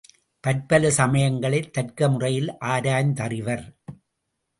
பற்பல சமயங்களைத் தர்க்க முறையில் ஆராய்ந்து அறிந்தவர்.